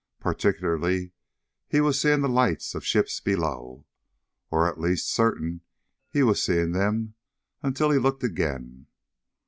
Particularly he was seeing the lights of ships below. Or, at least, certain he was seeing them until he looked again.